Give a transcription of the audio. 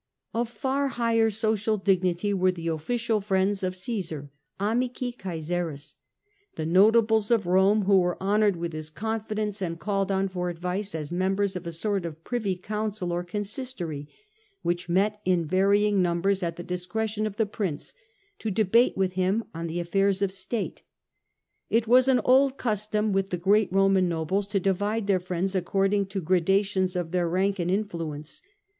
Of far higher social dignity were the official friends of Cccsar (amici Caesaris), the notables of Rome who were honoured with his confidence, and called on The Privy for advice as members of a sort of Privy Council or Consistory, which met in varying Csesaris). numbers at the discretion of the prince, to debate with him on the affairs of state. It was an old custom with great Roman nobles to divide their friends according to gradations of their rank and influence.